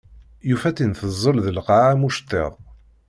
Yufa-tt-in teẓẓel di lqaɛa am uceṭṭiḍ.